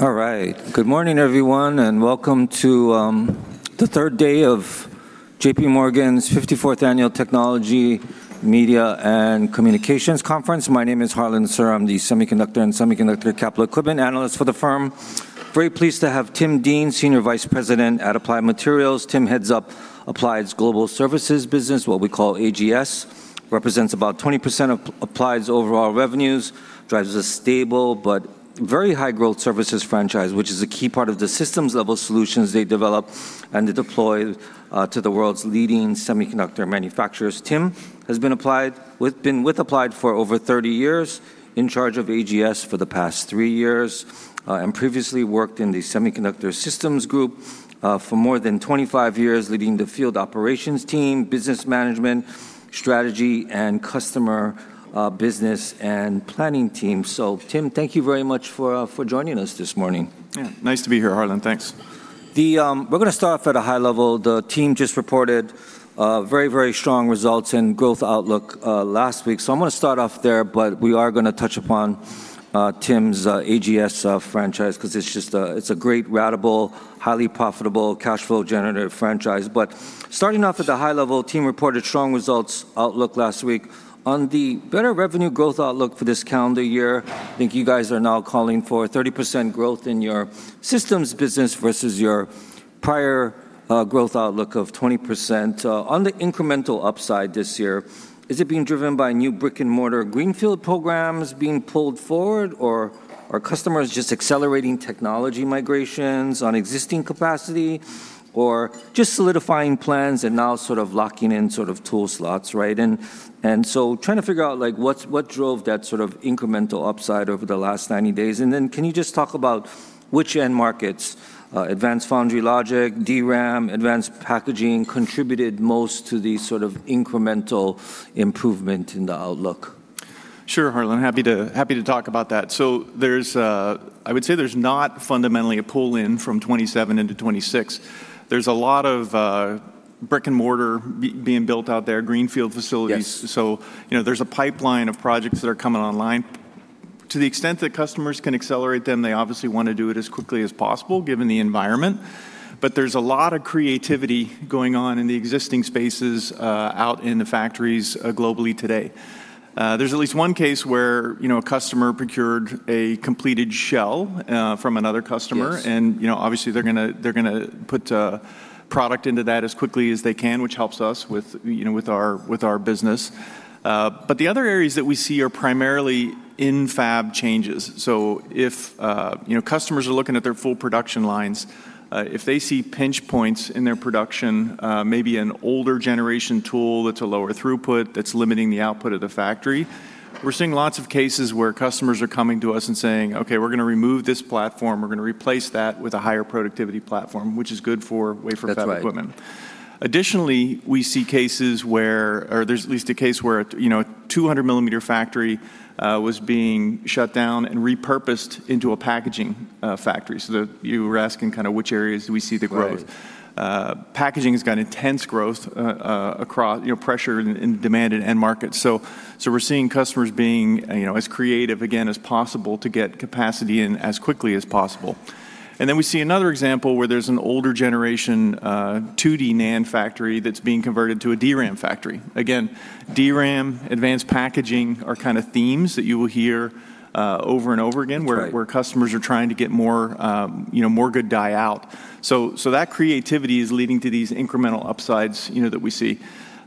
All right. Good morning, everyone, and welcome to the third day of JPMorgan's 54th annual Technology, Media, and Communications Conference. My name is Harlan Sur. I'm the Semiconductor and Semiconductor Capital Equipment Analyst for the firm. Very pleased to have Tim Deane, Senior Vice President at Applied Materials. Tim heads up Applied's global services business, what we call AGS. Represents about 20% of Applied's overall revenues, drives a stable but very high-growth services franchise, which is a key part of the systems-level solutions they develop and deploy to the world's leading semiconductor manufacturers. Tim has been with Applied for over 30 years, in charge of AGS for the past three years, and previously worked in the semiconductor systems group for more than 25 years, leading the field operations team, business management, strategy, and customer business and planning team. Tim, thank you very much for joining us this morning. Yeah. Nice to be here, Harlan. Thanks. We're gonna start off at a high level. Team just reported very strong results in growth outlook last week. I'm gonna start off there. We are gonna touch upon Tim's AGS franchise because it's a great ratable, highly profitable cash flow generative franchise. Starting off at the high level, Team reported strong results outlook last week. On the better revenue growth outlook for this calendar year, think you guys are now calling for 30% growth in your systems business versus your prior growth outlook of 20%. On the incremental upside this year, is it being driven by new brick-and-mortar greenfield programs being pulled forward, or are customers just accelerating technology migrations on existing capacity, or just solidifying plans and now locking in tool slots, right? Trying to figure out, like, what drove that sort of incremental upside over the last 90 days. Can you just talk about which end markets, advanced foundry logic, DRAM, advanced packaging, contributed most to the sort of incremental improvement in the outlook? Sure, Harlan. Happy to talk about that. There's, I would say there's not fundamentally a pull-in from 2027 into 2026. There's a lot of brick-and-mortar being built out there, greenfield facilities. Yes. You know, there's a pipeline of projects that are coming online. To the extent that customers can accelerate them, they obviously wanna do it as quickly as possible given the environment. There's a lot of creativity going on in the existing spaces, out in the factories, globally today. There's at least one case where, you know, a customer procured a completed shell, from another customer. Yes. You know, obviously they're gonna put product into that as quickly as they can, which helps us with, you know, with our, with our business. The other areas that we see are primarily in-fab changes. If, you know, customers are looking at their full production lines, if they see pinch points in their production, maybe an older generation tool that's a lower throughput that's limiting the output of the factory, we're seeing lots of cases where customers are coming to us and saying, "Okay, we're gonna remove this platform. We're gonna replace that with a higher productivity platform," which is good for wafer fab equipment. That's right. Additionally, we see cases where there's at least a case where, you know, a 200 millimeter factory was being shut down and repurposed into a packaging factory. You were asking kinda which areas do we see the growth. Right. Packaging has got intense growth, across, you know, pressure in demand in end markets. We're seeing customers being, you know, as creative again as possible to get capacity in as quickly as possible. Then we see another example where there's an older generation, 2D NAND factory that's being converted to a DRAM factory. DRAM, advanced packaging are kinda themes that you will hear, over and over again. That's right. where customers are trying to get more, you know, more good die out. That creativity is leading to these incremental upsides, you know, that we see.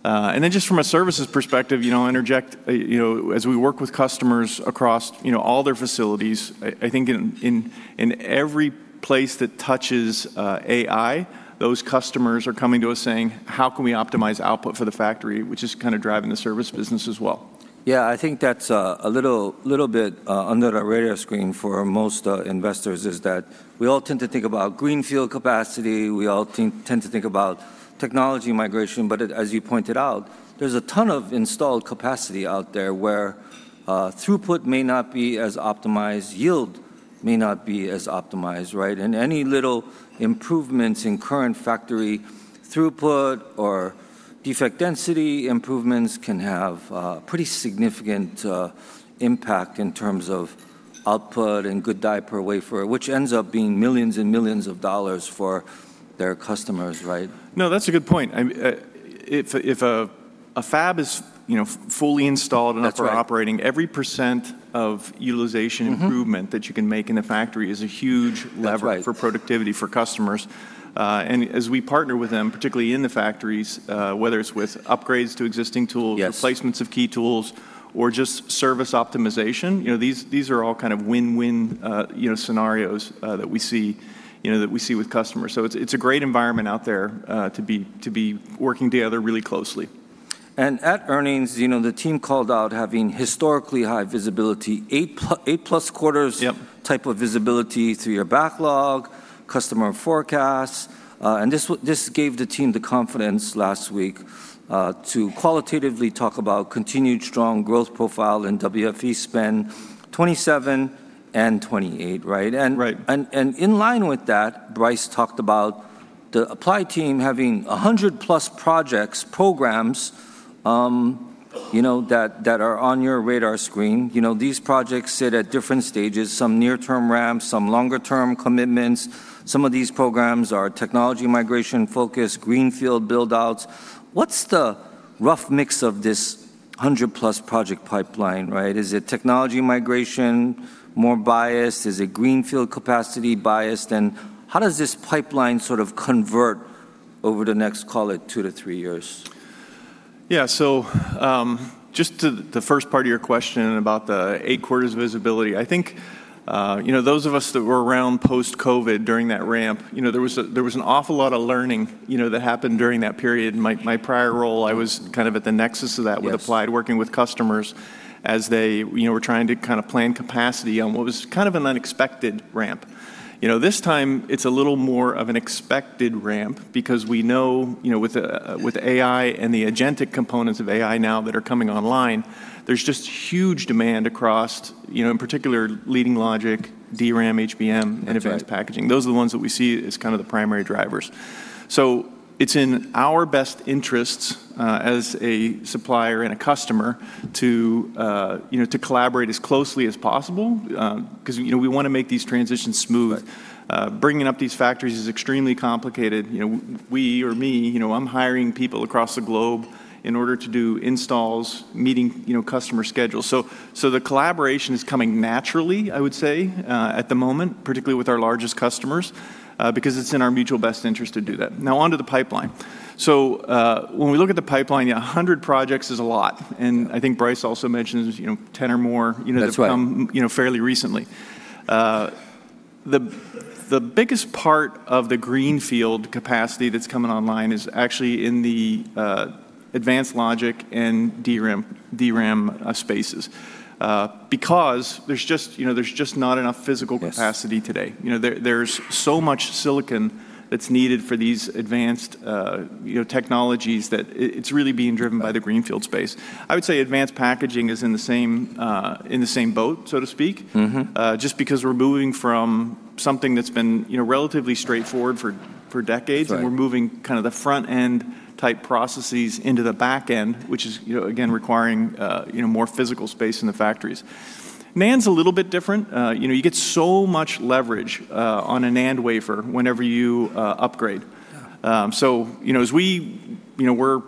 Just from a services perspective, you know, interject, you know, as we work with customers across, you know, all their facilities, I think in, in every place that touches AI, those customers are coming to us saying, "How can we optimize output for the factory?" Which is kinda driving the service business as well. Yeah. I think that's a little bit under the radar screen for most investors is that we all tend to think about greenfield capacity. We all tend to think about technology migration. As you pointed out, there's a ton of installed capacity out there where throughput may not be as optimized, yield may not be as optimized, right? Any little improvements in current factory throughput or defect density improvements can have pretty significant impact in terms of output and good die per wafer, which ends up being millions and millions of dollars for their customers, right? No, that's a good point. I, if a fab is, you know, fully installed- That's right. Up or operating, every % of utilization improvement. that you can make in a factory is a huge lever. That's right. for productivity for customers. As we partner with them, particularly in the factories, whether it's with upgrades to existing tools. Yes. replacements of key tools, or just service optimization, you know, these are all kind of win-win, you know, scenarios, that we see with customers. It's a great environment out there, to be working together really closely. At earnings, you know, the team called out having historically high visibility, eight-plus quarters. Yep. type of visibility to your backlog, customer forecasts. This gave the team the confidence last week, to qualitatively talk about continued strong growth profile in WFE spend 2027 and 2028, right? Right. In line with that, Brice talked about the Applied team having 100 plus projects, programs. You know, that are on your radar screen. You know, these projects sit at different stages, some near term ramps, some longer term commitments. Some of these programs are technology migration focused, greenfield build-outs. What's the rough mix of this 100 plus project pipeline, right? Is it technology migration more biased? Is it greenfield capacity biased? How does this pipeline sort of convert over the next, call it, two to three years? Yeah. Just to the first part of your question about the eight quarters visibility, I think, you know, those of us that were around post-COVID during that ramp, you know, there was an awful lot of learning, you know, that happened during that period. My prior role, I was kind of at the nexus of that. Yes. With Applied working with customers as they, you know, were trying to kind of plan capacity on what was kind of an unexpected ramp. You know, this time it's a little more of an expected ramp because we know, you know, with with AI and the agentic components of AI now that are coming online, there's just huge demand across, you know, in particular leading logic, DRAM, HBM. That's right. Advanced packaging. Those are the ones that we see as kind of the primary drivers. It's in our best interests, as a supplier and a customer to, you know, to collaborate as closely as possible, 'cause, you know, we wanna make these transitions smooth. Right. Bringing up these factories is extremely complicated. You know, I'm hiring people across the globe in order to do installs, meeting, you know, customer schedules. The collaboration is coming naturally, I would say, at the moment, particularly with our largest customers, because it's in our mutual best interest to do that. Now onto the pipeline. When we look at the pipeline, yeah, 100 projects is a lot, and I think Brice also mentioned, you know, 10 or more- That's right. You know, that have come, you know, fairly recently. The biggest part of the greenfield capacity that's coming online is actually in the advanced logic and DRAM spaces, because there's just, you know, there's just not enough physical capacity today. Yes. You know, there's so much silicon that's needed for these advanced, you know, technologies that it's really being driven by the greenfield space. I would say advanced packaging is in the same, in the same boat, so to speak. Just because we're moving from something that's been, you know, relatively straightforward for decades. Right. We're moving kind of the front-end type processes into the back-end, which is, you know, again requiring, you know, more physical space in the factories. NAND's a little bit different. You know, you get so much leverage on a NAND wafer whenever you upgrade. You know, as we, you know, we're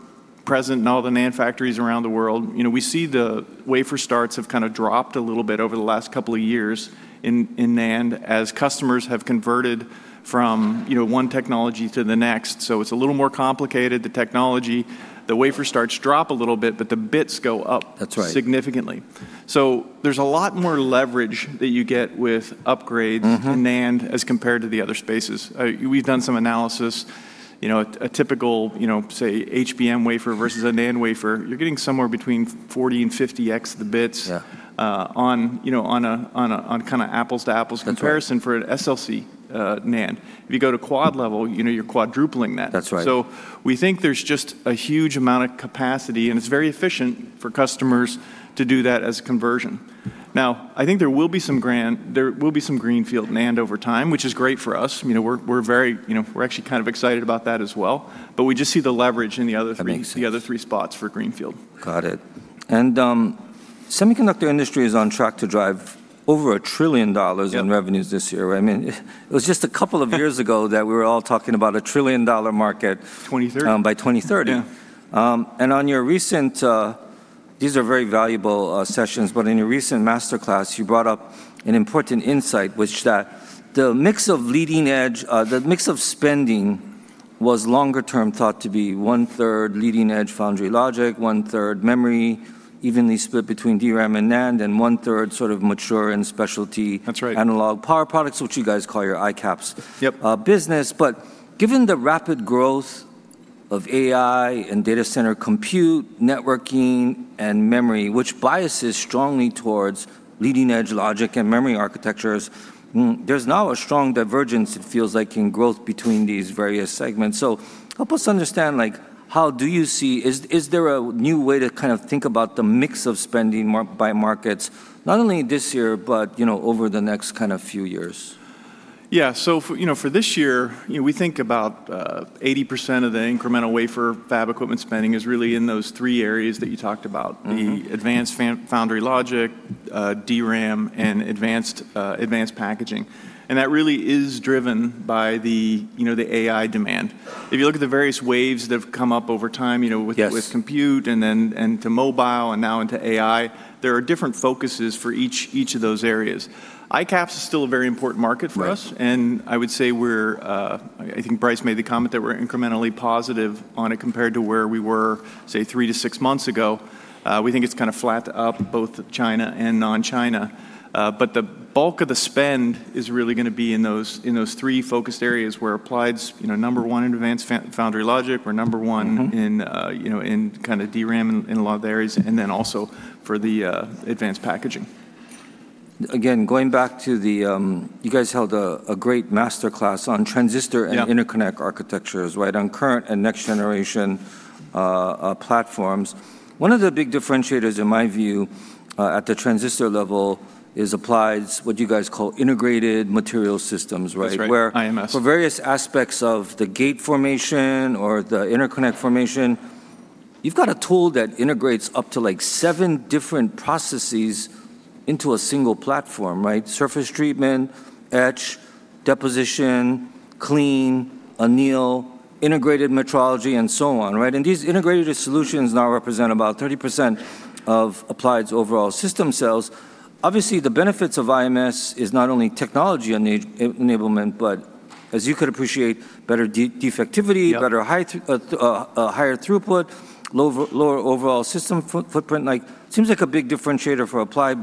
present in all the NAND factories around the world, you know, we see the wafer starts have kind of dropped a little bit over the last couple of years in NAND as customers have converted from, you know, one technology to the next. It's a little more complicated, the technology. The wafer starts drop a little bit, the bits go up- That's right. Significantly. There's a lot more leverage that you get with upgrades to NAND as compared to the other spaces. We've done some analysis. You know, a typical, you know, say, HBM wafer versus a NAND wafer, you're getting somewhere between 40 and 50x the bits- Yeah. On, you know, on a kind of apples to apples comparison- That's right. For an SLC, NAND. If you go to quad level, you know you're quadrupling that. That's right. We think there's just a huge amount of capacity, and it's very efficient for customers to do that as conversion. I think there will be some greenfield NAND over time, which is great for us. You know, we're very, you know, we're actually kind of excited about that as well. But we just see the laverage in- That makes sense. the other three spots for Greenfield. Got it. The semiconductor industry is on track to drive over $1 trillion. Yep. In revenues this year, right? I mean, it was just a couple of years ago that we were all talking about a $1 trillion market. 2030. By 2030. Yeah. On your recent, these are very valuable sessions, but in your recent master class you brought up an important insight, which that the mix of leading edge, the mix of spending was longer term thought to be on 1/3 leading edge foundry logic, 1/3 memory, evenly split between DRAM and NAND, and one-third sort of mature and specialty. That's right. Analog power products, which you guys call your ICAPS- Yep. Business. Given the rapid growth of AI and data center compute, networking, and memory, which biases strongly towards leading edge logic and memory architectures, there's now a strong divergence, it feels like, in growth between these various segments. Help us understand, like, how do you see, Is there a new way to kind of think about the mix of spending by markets, not only this year, but, you know, over the next kind of few years? Yeah. For, you know, for this year, you know, we think about 80% of the incremental wafer fab equipment spending is really in those three areas that you talked about. the advanced foundry logic, DRAM, and advanced packaging, and that really is driven by the, you know, the AI demand. You look at the various waves that have come up over time, you know, with. Yes. With compute and then, and to mobile and now into AI, there are different focuses for each of those areas. ICAPS is still a very important market for us. Right. I would say we're, I think Brice made the comment that we're incrementally positive on it compared to where we were, say, three to six months ago. We think it's kind of flat up both China and non-China. The bulk of the spend is really going to be in those, in those three focused areas where Applied's number one in advanced foundry logic. We're number one in, you know, in kind of DRAM in a lot of areas and then also for the advanced packaging. Again, going back to the, you guys held a great master class on transistor-. Yeah. Interconnect architectures, right? On current and next generation platforms. One of the big differentiators in my view, at the transistor level is Applied's what you guys call integrated material systems, right? That's right, IMS. Where for various aspects of the gate formation or the interconnect formation. You've got a tool that integrates up to, like, seven different processes into a single platform, right? Surface treatment, etch, deposition, clean, anneal, integrated metrology, and so on, right? These integrated solutions now represent about 30% of Applied's overall system sales. Obviously, the benefits of IMS is not only technology enablement, but as you could appreciate, better defectivity. Yep. Better height, higher throughput, lower overall system footprint. Like, seems like a big differentiator for Applied.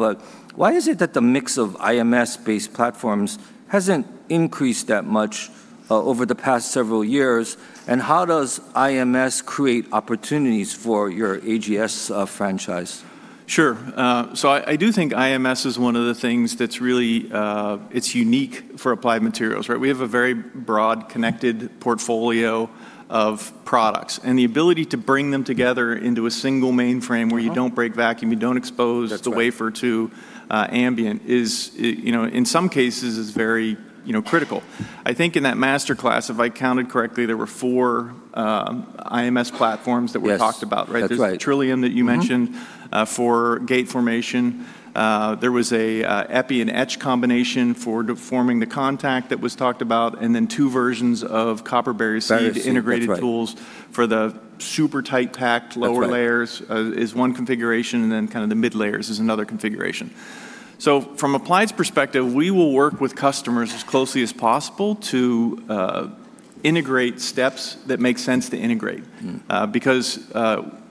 Why is it that the mix of IMS-based platforms hasn't increased that much over the past several years? How does IMS create opportunities for your AGS franchise? Sure. I do think IMS is one of the things that's really unique for Applied Materials, right? We have a very broad, connected portfolio of products, and the ability to bring them together into a single mainframe. Where you don't break vacuum, you don't. That's right. The wafer to ambient is, you know, in some cases is very, you know, critical. I think in that master class, if I counted correctly, there were four IMS platforms. Yes. Talked about, right? That's right. There's the Trillium that you mentioned for gate formation. There was a EPI and etch combination for forming the contact that was talked about, and then two versions of copper barrier seed. barrier seed, that's right. Integrated tools for the super tight-packed lower layers. That's right. Is one configuration, kind of the mid layers is another configuration. From Applied's perspective, we will work with customers as closely as possible to integrate steps that make sense to integrate.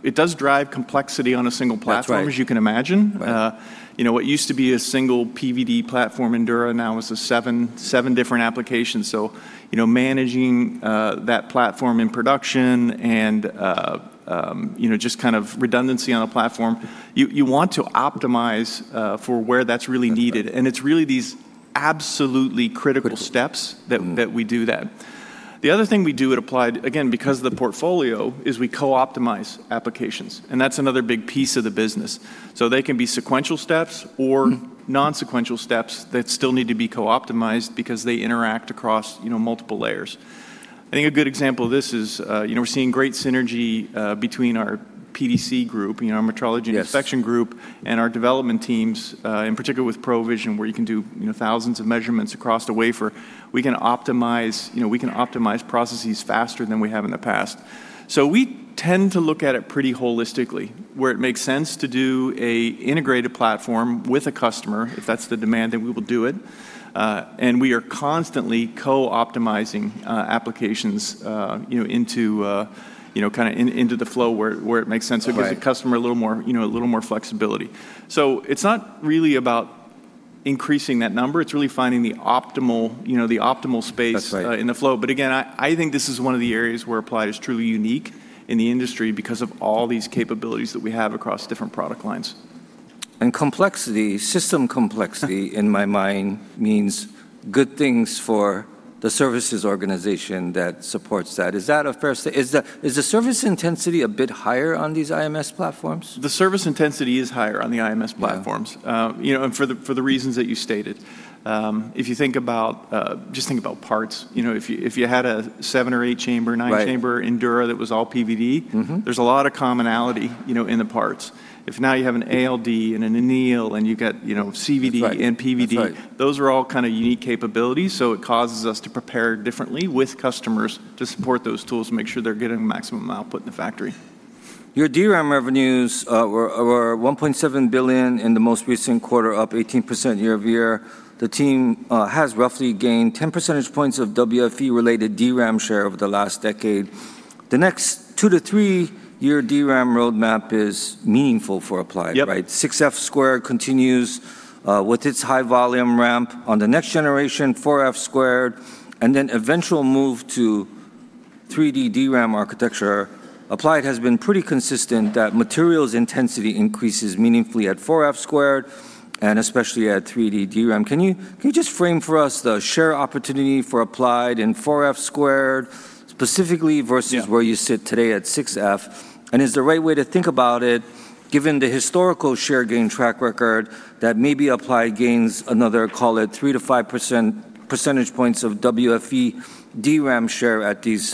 It does drive complexity on a single platform. That's right. As you can imagine. Right. You know, what used to be a single PVD platform Endura now is a seven different applications. You know, managing that platform in production and, you know, just kind of redundancy on a platform, you want to optimize for where that's really needed. It's really these absolutely critical- Critical. Steps that- that we do that. The other thing we do at Applied, again, because of the portfolio, is we co-optimize applications, and that's another big piece of the business. They can be sequential steps or non-sequential steps that still need to be co-optimized because they interact across, you know, multiple layers. I think a good example of this is, you know, we're seeing great synergy, between our PDC group, you know, our metrology- Yes. Inspection group, and our development teams, in particular with PROVision, where you can do, you know, thousands of measurements across the wafer. We can optimize, you know, we can optimize processes faster than we have in the past. We tend to look at it pretty holistically, where it makes sense to do a integrated platform with a customer. If that's the demand, then we will do it. And we are constantly co-optimizing applications, you know, into the flow where it makes sense. Right. It gives the customer a little more, you know, a little more flexibility. It's not really about increasing that number. It's really finding the optimal, you know, the optimal space. That's right. In the flow. Again, I think this is one of the areas where Applied is truly unique in the industry because of all these capabilities that we have across different product lines. Complexity, system complexity. Yeah In my mind means good things for the services organization that supports that. Is the service intensity a bit higher on these IMS platforms? The service intensity is higher on the IMS platforms. Yeah. You know, for the reasons that you stated. If you think about, just think about parts. You know, if you had a seven or eight- Right. Nine-chamber Endura that was all PVD. There's a lot of commonality, you know, in the parts. If now you have an ALD and an anneal and you got, you know, CVD. That's right. And PVD- That's right. Those are all kind of unique capabilities, so it causes us to prepare differently with customers to support those tools and make sure they're getting maximum output in the factory. Your DRAM revenues were $1.7 billion in the most recent quarter, up 18% year-over-year. The team has roughly gained 10 percentage points of WFE-related DRAM share over the last decade. The next two-to-three-year DRAM roadmap is meaningful for Applied, right? Yep. 6F squared continues with its high volume ramp on the next generation 4F squared, and then eventual move to 3D DRAM architecture. Applied has been pretty consistent that materials intensity increases meaningfully at 4F squared and especially at 3D DRAM. Can you just frame for us the share opportunity for Applied in 4F squared specifically- Yeah. Versus where you sit today at 6F? Is the right way to think about it, given the historical share gain track record, that maybe Applied gains another, call it, 3%-5% percentage points of WFE DRAM share at these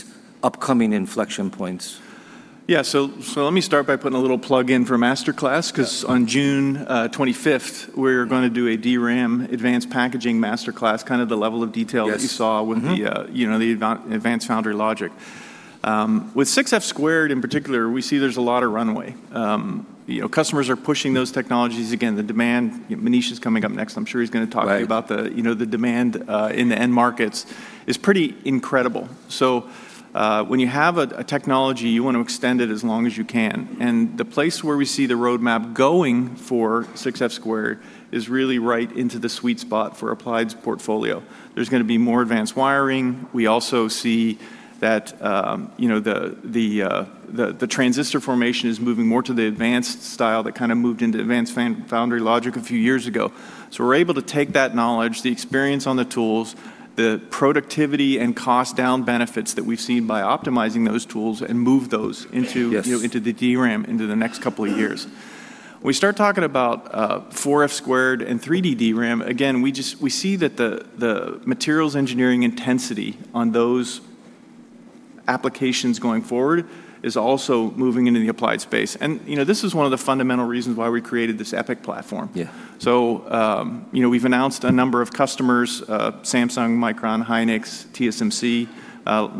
upcoming inflection points? Yeah, let me start by putting a little plug in for master class. 'cause on June 25th, we're gonna do a DRAM advanced packaging master class, kind of the level of detail- Yes. That you saw- Yeah, you know, advanced foundry logic. With 6F² in particular, we see there's a lot of runway. You know, customers are pushing those technologies. Again, the demand, Manish is coming up next. I'm sure he's gonna talk to you. Right. About the, you know, the demand in the end markets is pretty incredible. When you have a technology, you want to extend it as long as you can. The place where we see the roadmap going for 6F squared is really right into the sweet spot for Applied's portfolio. There's gonna be more advanced wiring. We also see that, you know, the transistor formation is moving more to the advanced style that kind of moved into advanced foundry logic a few years ago. We're able to take that knowledge, the experience on the tools, the productivity and cost down benefits that we've seen by optimizing those tools and move those into. Yes. You know, into the DRAM into the next couple years. We start talking about 4F squared and 3D DRAM, again, we see that the materials engineering intensity on those applications going forward is also moving into the Applied space. You know, this is one of the fundamental reasons why we created this EPIC Platform. Yeah. You know, we've announced a number of customers, Samsung, Micron, Hynix, TSMC,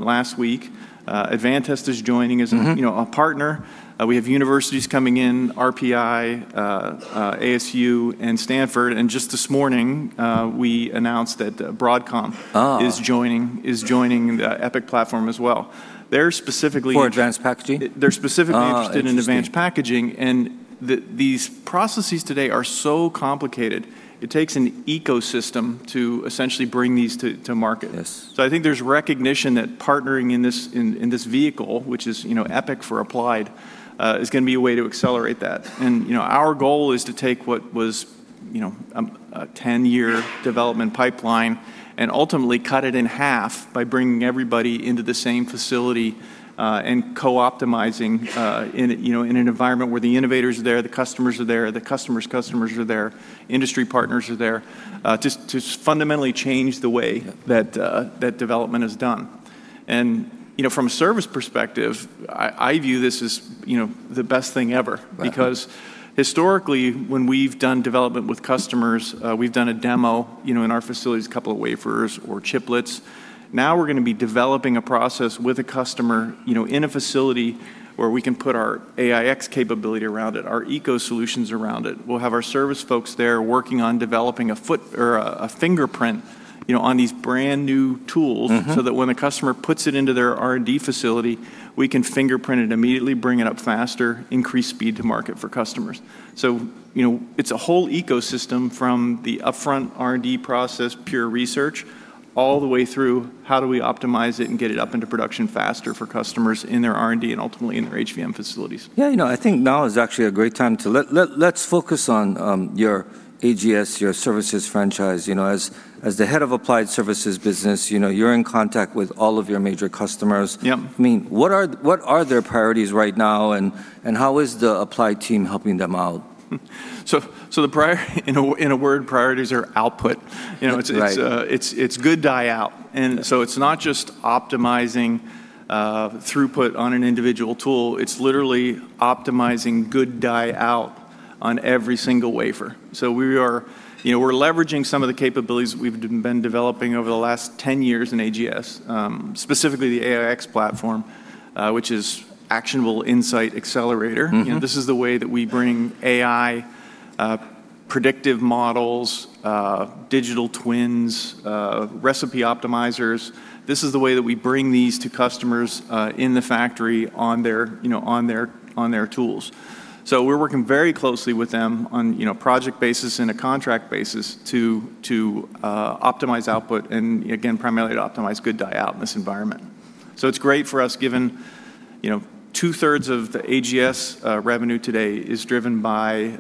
last week. Advantest is joining, you know, a partner. We have universities coming in, RPI, ASU, and Stanford. Just this morning, we announced that Broadcom is joining the EPIC Platform as well. They're specifically- For advanced packaging? They're specifically- Interesting. Interested in advanced packaging, these processes today are so complicated, it takes an ecosystem to essentially bring these to market. Yes. I think there's recognition that partnering in this vehicle, which is, you know, EPIC for Applied, is gonna be a way to accelerate that. You know, our goal is to take what was, you know, a 10-year development pipeline and ultimately cut it in half by bringing everybody into the same facility and co-optimizing, in, you know, in an environment where the innovators are there, the customers are there, the customer's customers are there, industry partners are there, to fundamentally change the way- Yeah. That development is done. You know, from a service perspective, I view this as, you know, the best thing ever. Right. Historically when we've done development with customers, we've done a demo, you know, in our facilities, couple wafers or chiplets. Now we're gonna be developing a process with a customer, you know, in a facility where we can put our AIx capability around it, our eco solutions around it. We'll have our service folks there working on developing a foot or a fingerprint, you know, on these brand-new tools, so that when a customer puts it into their R&D facility, we can fingerprint it immediately, bring it up faster, increase speed to market for customers. you know, it's a whole ecosystem from the upfront R&D process, pure research, all the way through how do we optimize it and get it up into production faster for customers in their R&D and ultimately in their HVM facilities. Yeah, you know, I think now is actually a great time to let's focus on your AGS, your services franchise. You know, as the head of Applied Services business, you know, you're in contact with all of your major customers. Yep. I mean, what are their priorities right now, and how is the Applied team helping them out? The priority, in a word, priorities are output. You know. Right. It's good die out. It's not just optimizing, throughput on an individual tool, it's literally optimizing good die out on every single wafer. We are, you know, we're leveraging some of the capabilities we've been developing over the last 10 years in AGS, specifically the AIx platform, which is Actionable Insight Accelerator. You know, this is the way that we bring AI, predictive models, digital twins, recipe optimizers. This is the way that we bring these to customers, in the factory on their, you know, on their tools. We're working very closely with them on, you know, project basis and a contract basis to optimize output and, again, primarily to optimize good die out in this environment. It's great for us given, you know, 2/3 of the AGS revenue today is driven by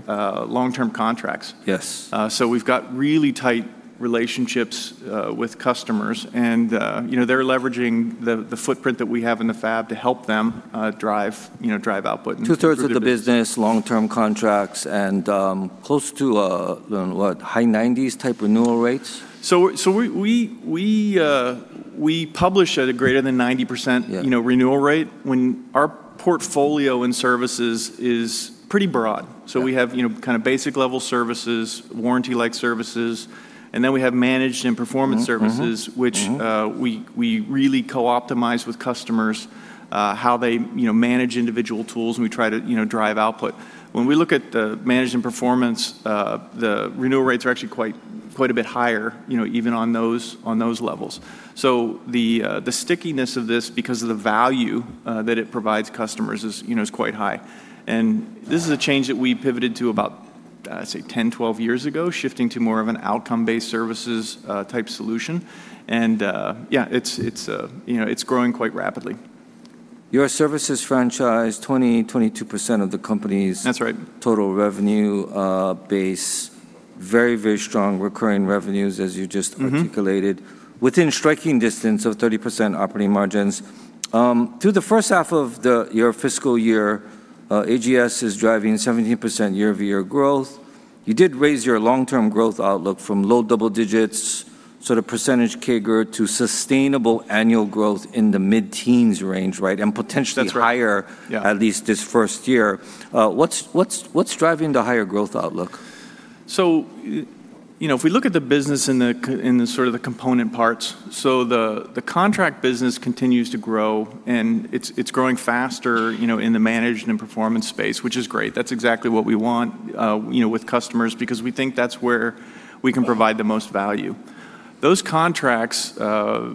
long-term contracts. Yes. We've got really tight relationships, with customers and, you know, they're leveraging the footprint that we have in the fab to help them, drive, you know, drive output. Two-thirds of the business, long-term contracts, and close to high 90s type renewal rates? We publish at a greater than 90%. Yeah. You know, renewal rate when our portfolio in services is pretty broad. Yeah. We have, you know, kind of basic level services, warranty-like services, and then we have managed and performance services. Which we really co-optimize with customers, how they, you know, manage individual tools, and we try to, you know, drive output. When we look at the management performance, the renewal rates are actually quite a bit higher, you know, even on those, on those levels. The stickiness of this because of the value that it provides customers is, you know, is quite high. This is a change that we pivoted to about, I'd say 10-12 years ago, shifting to more of an outcome-based services, type solution, and, yeah, it's, you know, it's growing quite rapidly. Your services franchise 20%-22% of the company's- That's right. Total revenue, base, very strong recurring revenues as you just articulated. Within striking distance of 30% operating margins. Through the first half of your fiscal year, AGS is driving 17% year-over-year growth. You did raise your long-term growth outlook from low double digits, so the percentage CAGR, to sustainable annual growth in the mid-teens range, right? That's right. Higher- Yeah. At least this first year. What's driving the higher growth outlook? You know, if we look at the business in the sort of the component parts, the contract business continues to grow, and it's growing faster, you know, in the managed and performance space, which is great. That's exactly what we want, you know, with customers because we think that's where we can provide the most value. Those contracts,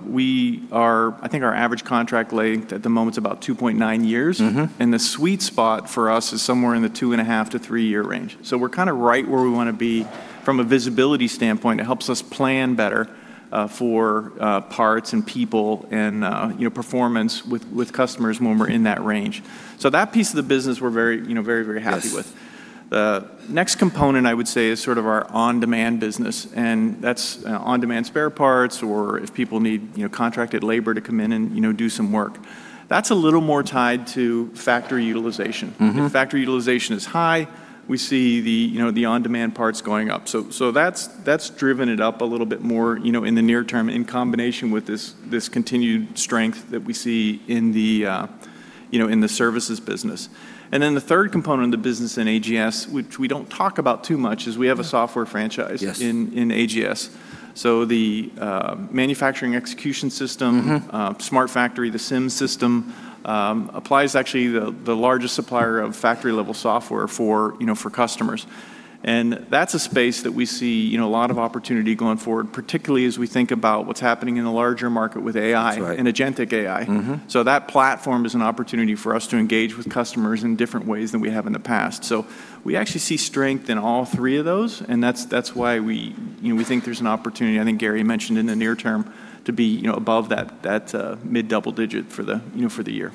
we are I think our average contract length at the moment's about 2.9 years. The sweet spot for us is somewhere in the 2.5-3 year range. We're kind of right where we want to be from a visibility standpoint. It helps us plan better for parts and people and, you know, performance with customers when we're in that range. That piece of the business we're very, you know, happy with. The next component I would say is sort of our on-demand business, and that's on-demand spare parts or if people need, you know, contracted labor to come in and, you know, do some work. That's a little more tied to factory utilization. If factory utilization is high, we see the, you know, the on-demand parts going up. That's driven it up a little bit more, you know, in the near term in combination with this continued strength that we see in the, you know, in the services business. The third component of the business in AGS, which we don't talk about too much, is we have a software franchise. Yes. In AGS. The manufacturing execution system. SmartFactory, the CIM system, Applied actually the largest supplier of factory-level software for, you know, for customers. That's a space that we see, you know, a lot of opportunity going forward, particularly as we think about what's happening in the larger market with AI. That's right. Agentic AI. That platform is an opportunity for us to engage with customers in different ways than we have in the past. We actually see strength in all three of those, and that's why we, you know, we think there's an opportunity, I think Gary mentioned in the near term, to be, you know, above that mid-double digit for the, you know, for the year.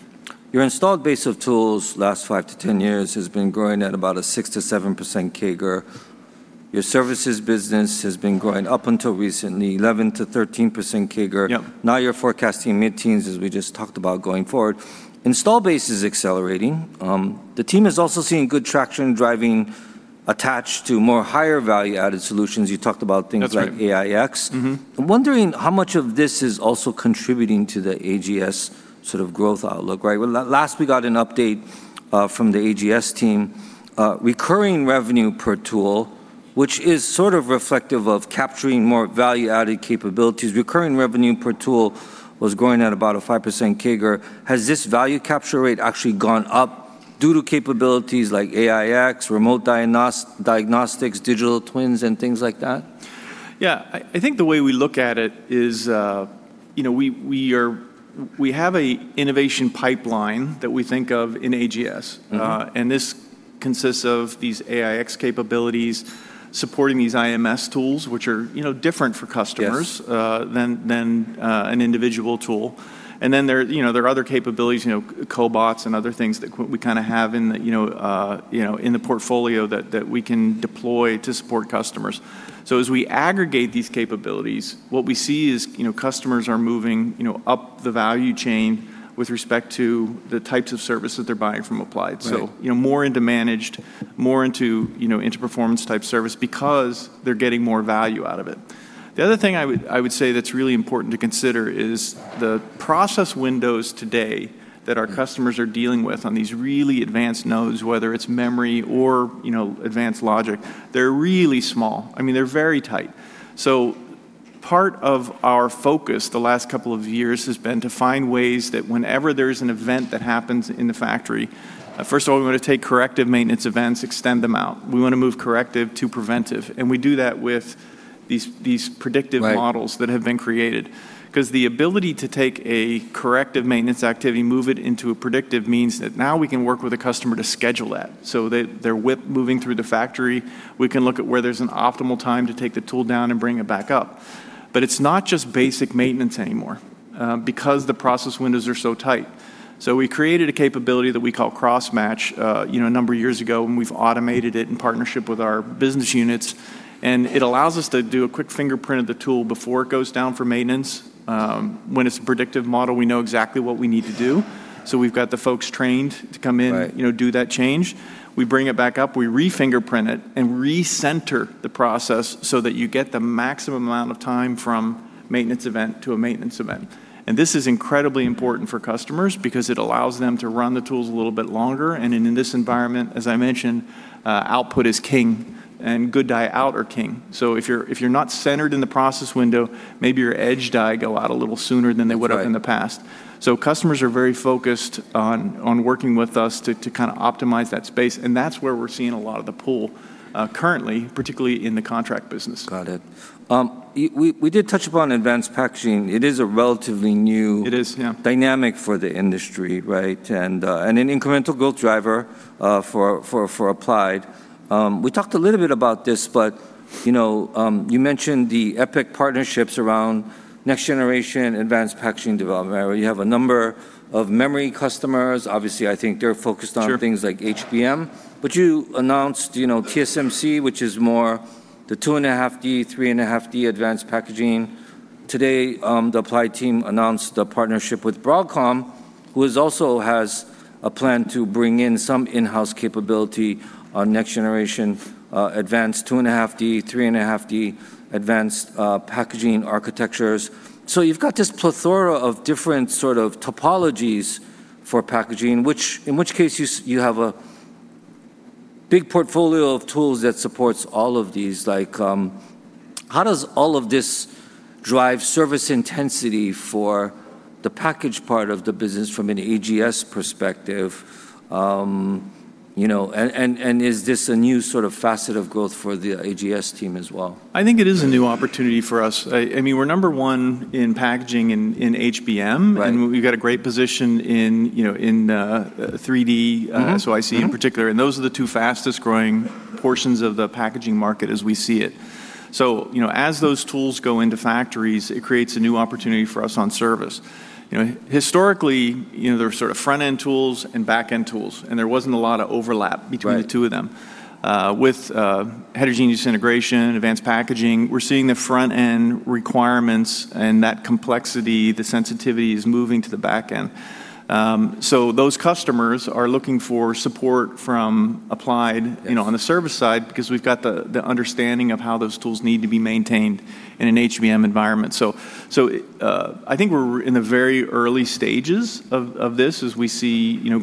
Your installed base of tools last 5-10 years has been growing at about a 6%-7% CAGR. Your services business has been growing up until recently, 11%-13% CAGR. Yeah. You're forecasting mid-teens, as we just talked about, going forward. Install base is accelerating. The team is also seeing good traction driving attached to more higher value-added solutions. You talked about things- That's right. Like AIx. I'm wondering how much of this is also contributing to the AGS sort of growth outlook, right? Well, last we got an update from the AGS team, recurring revenue per tool, which is sort of reflective of capturing more value-added capabilities. Recurring revenue per tool was growing at about a 5% CAGR. Has this value capture rate actually gone up due to capabilities like AIx, remote diagnostics, digital twins, and things like that? Yeah. I think the way we look at it is, you know, we have a innovation pipeline that we think of in AGS. This consists of these AIx capabilities supporting these IMS tools, which are, you know, different for customers- Yes. Than an individual tool. Then there, you know, there are other capabilities, you know, cobots and other things that we kinda have in the, you know, in the portfolio that we can deploy to support customers. As we aggregate these capabilities, what we see is, you know, customers are moving, you know, up the value chain with respect to the types of services they're buying from Applied. Right. You know, more into managed, more into, you know, into performance-type service because they're getting more value out of it. The other thing I would say that's really important to consider is the process windows today that our customers are dealing with on these really advanced nodes, whether it's memory or, you know, advanced logic, they're really small. I mean, they're very tight. Part of our focus the last couple of years has been to find ways that whenever there's an event that happens in the factory, first of all, we wanna take corrective maintenance events, extend them out. We wanna move corrective to preventive, and we do that with these predictive models. Right. That have been created. Because the ability to take a corrective maintenance activity, move it into a predictive means that now we can work with a customer to schedule that so that their WIP moving through the factory, we can look at where there's an optimal time to take the tool down and bring it back up. It's not just basic maintenance anymore, because the process windows are so tight. We created a capability that we call Cross Match, you know, a number of years ago, and we've automated it in partnership with our business units, and it allows us to do a quick fingerprint of the tool before it goes down for maintenance. When it's a predictive model, we know exactly what we need to do. We've got the folks trained to come in. Right. you know, do that change. We bring it back up, we refingerprint it, and recenter the process so that you get the maximum amount of time from maintenance event to a maintenance event. This is incredibly important for customers because it allows them to run the tools a little bit longer. In this environment, as I mentioned, output is king and good die out are king. If you're not centered in the process window, maybe your edge die go out a little sooner than they would have in the past. Right. Customers are very focused on working with us to kinda optimize that space, and that's where we're seeing a lot of the pull currently, particularly in the contract business. Got it. We did touch upon advanced packaging. It is a relatively new- It is, yeah. Dynamic for the industry, right? An incremental growth driver for Applied. We talked a little bit about this, but you know, you mentioned the EPIC partnerships around next generation advanced packaging development. You have a number of memory customers. Obviously, I think they're focused on- Sure. Things like HBM. You announced, you know, TSMC, which is more the 2.5D, 3.5D advanced packaging. Today, the Applied team announced a partnership with Broadcom, who is also has a plan to bring in some in-house capability on next generation, advanced 2.5D, 3.5D advanced packaging architectures. You've got this plethora of different sort of topologies for packaging, which, in which case you have a big portfolio of tools that supports all of these. Like, how does all of this drive service intensity for the package part of the business from an AGS perspective? You know, and is this a new sort of facet of growth for the AGS team as well? I think it is a new opportunity for us. I mean, we're number one in packaging in HBM. Right. We've got a great position in, you know, in 3D. SOIC in particular. Those are the two fastest-growing portions of the packaging market as we see it. You know, as those tools go into factories, it creates a new opportunity for us on service. You know, historically, you know, there were sort of front-end tools and back-end tools. There wasn't a lot of overlap- Right. Between the two of them. With, heterogeneous integration, advanced packaging, we're seeing the front-end requirements and that complexity, the sensitivity is moving to the back end. Those customers are looking for support from Applied. Yes. You know, on the service side because we've got the understanding of how those tools need to be maintained in an HVM environment. I think we're in the very early stages of this as we see, you know,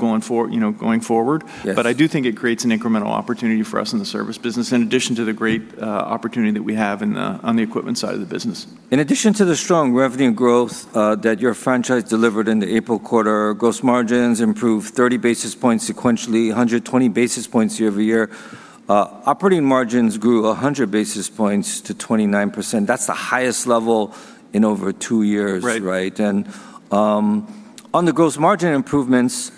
going forward. Yes. I do think it creates an incremental opportunity for us in the service business in addition to the great opportunity that we have in on the equipment side of the business. In addition to the strong revenue growth, that your franchise delivered in the April quarter, gross margins improved 30 basis points sequentially, 120 basis points year-over-year. Operating margins grew 100 basis points to 29%. That's the highest level in over two years. Right. Right? On the gross margin improvements,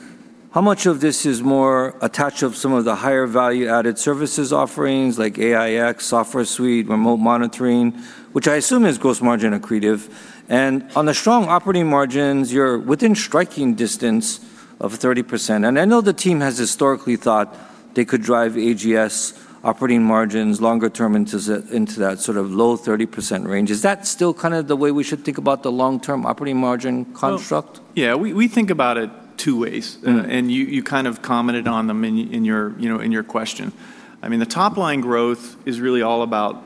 how much of this is more attached of some of the higher value-added services offerings like AIx, Software Suite, Remote Monitoring, which I assume is gross margin accretive? On the strong operating margins, you're within striking distance of 30%. I know the team has historically thought they could drive AGS operating margins longer term into that sort of low 30% range. Is that still kind of the way we should think about the long-term operating margin construct? Yeah, we think about it two ways. You kind of commented on them in your, you know, in your question. I mean, the top line growth is really all about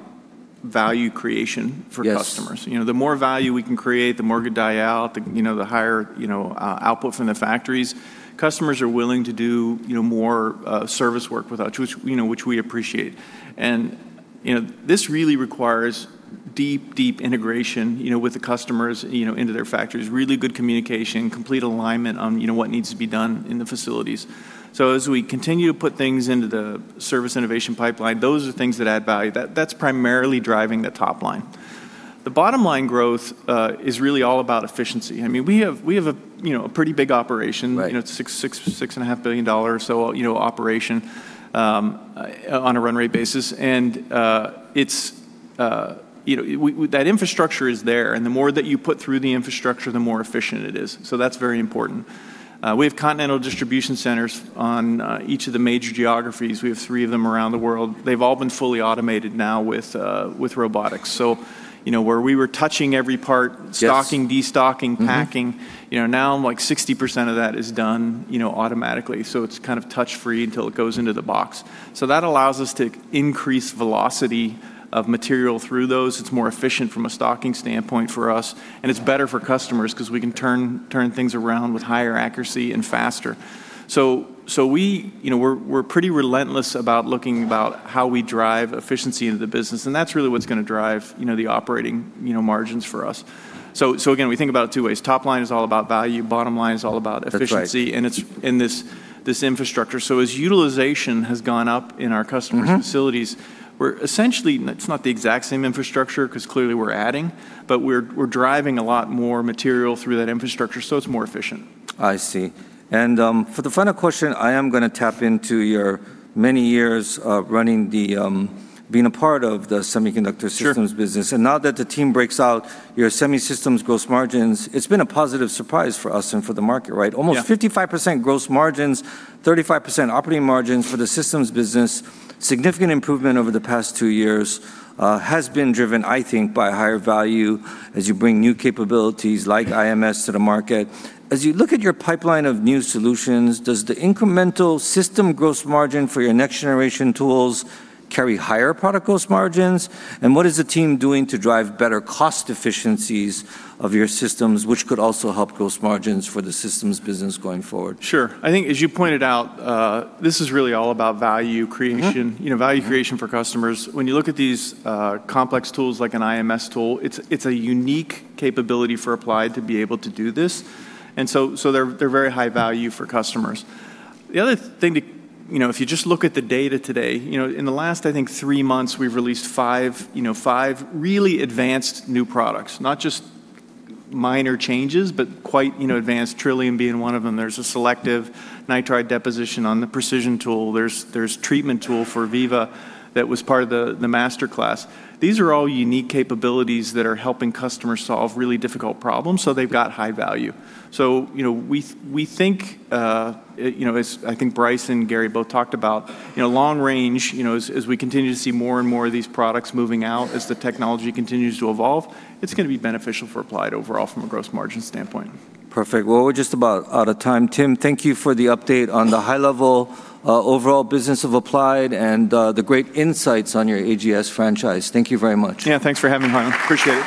value creation for customers. Yes. You know, the more value we can create, the more could dial, the, you know, the higher, you know, output from the factories. Customers are willing to do, you know, more service work with us, which, you know, which we appreciate. You know, this really requires deep, deep integration, you know, with the customers, you know, into their factories, really good communication, complete alignment on, you know, what needs to be done in the facilities. As we continue to put things into the service innovation pipeline, those are things that add value. That's primarily driving the top line. The bottom line growth is really all about efficiency. I mean, we have a, you know, a pretty big operation. Right. You know, $6.5 billion or so, you know, operation on a run rate basis. It's that infrastructure is there, and the more that you put through the infrastructure, the more efficient it is. That's very important. We have continental distribution centers on each of the major geographies. We have three of them around the world. They've all been fully automated now with robotics. Yes. Stocking, de-stocking, packing, you know, now like 60% of that is done, you know, automatically. It's kind of touch free until it goes into the box. That allows us to increase velocity of material through those. It's more efficient from a stocking standpoint for us, and it's better for customers because we can turn things around with higher accuracy and faster. We, you know, we're pretty relentless about looking about how we drive efficiency into the business, and that's really what's gonna drive, you know, the operating, you know, margins for us. Again, we think about it two ways. Top line is all about value. Bottom line is all about efficiency. That's right. It's in this infrastructure. As utilization has gone up in our customers' facilities, we're essentially, and it's not the exact same infrastructure because clearly we're adding, but we're driving a lot more material through that infrastructure, so it's more efficient. I see. For the final question, I am gonna tap into your many years of running the, being a part of the semiconductor systems business. Sure. Now that the team breaks out your semi systems gross margins, it's been a positive surprise for us and for the market, right? Yeah. Almost 55% gross margins, 35% operating margins for the systems business. Significant improvement over the past two years has been driven, I think, by higher value as you bring new capabilities like IMS to the market. As you look at your pipeline of new solutions, does the incremental system gross margin for your next generation tools carry higher product gross margins? What is the team doing to drive better cost efficiencies of your systems, which could also help gross margins for the systems business going forward? Sure. I think as you pointed out, this is really all about value creation, you know, value creation for customers. When you look at these complex tools like an IMS tool, it's a unique capability for Applied to be able to do this. They're very high value for customers. The other thing to, you know, if you just look at the data today, you know, in the last, I think, three months, we've released five, you know, five really advanced new products. Not just minor changes, but quite, you know, advanced, Trillium being one of them. There's a selective nitride deposition on the precision tool. There's treatment tool for Veeva that was part of the master class. These are all unique capabilities that are helping customers solve really difficult problems, so they've got high value. You know, we think, you know, as I think Brice and Gary both talked about, you know, long range, you know, as we continue to see more and more of these products moving out, as the technology continues to evolve, it's gonna be beneficial for Applied overall from a gross margin standpoint. Perfect. Well, we're just about out of time. Tim, thank you for the update on the high level, overall business of Applied and, the great insights on your AGS franchise. Thank you very much. Yeah, thanks for having me, Harlan. Appreciate it.